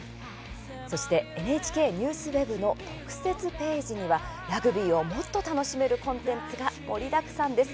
そして「ＮＨＫＮＥＷＳＷＥＢ」の特設ページにはラグビーをもっと楽しめるコンテンツが盛りだくさんです。